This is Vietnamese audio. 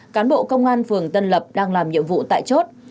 cán bộ công an phường tân lập đang làm nhiệm vụ tại chốt